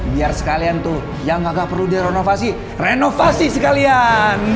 biar sekalian tuh yang agak perlu direnovasi renovasi sekalian